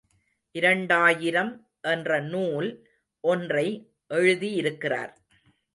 இரண்டாயிரம் என்ற நூல் ஒன்றை எழுதியிருக்கிறார்.